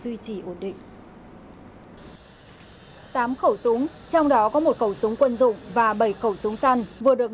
tám khẩu súng trong đó có một khẩu súng quân dụng và bảy khẩu súng săn vừa được